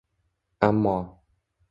Ammo